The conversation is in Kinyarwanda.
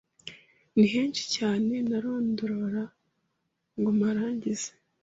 Nihenshi cyane ntarondora ngo mparangize